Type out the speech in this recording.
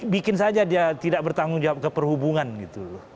bikin saja dia tidak bertanggung jawab ke perhubungan gitu loh